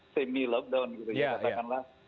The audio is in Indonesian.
semi lockdown gitu ya katakanlah